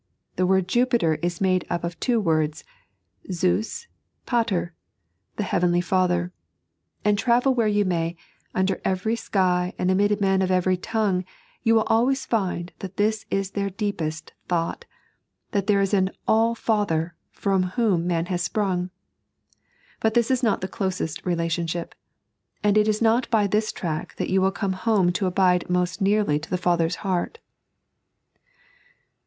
The word Jupiter is made up of the two words Zmu, pater, the heavenly father ; and travel where you may, under every sky, and amid men of every tongue, you will always find that this is their deepest thought — that there is an AU I^ther from whom man has sprung. But this is not the closest relationship; and it is not by this track that you will come home to abide meet nearly to the Father's heart.